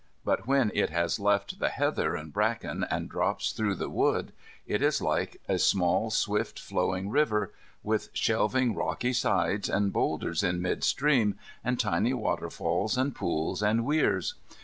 But, when it has left the heather and bracken and drops through the wood, it is like a little swift flowing river, with shelving rocky sides, and boulders in mid stream, and tiny waterfalls and pools and weirs.